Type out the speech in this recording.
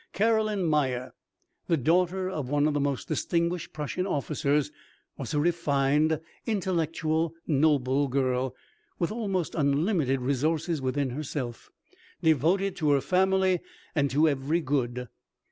Caroline Myer, the daughter of one of the most distinguished Prussian officers, was a refined, intellectual, noble girl, with almost unlimited resources within herself, devoted to her family and to every good.